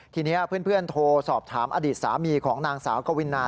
ทีนี้เพื่อนโทรสอบถามอดีตสามีของนางสาวกวินา